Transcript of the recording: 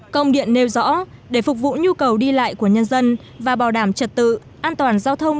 công điện nêu rõ để phục vụ nhu cầu đi lại của nhân dân và bảo đảm trật tự an toàn giao thông